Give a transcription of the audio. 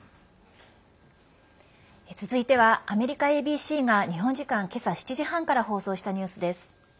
続いては、アメリカＡＢＣが日本時間けさ７時半から放送したニュースです。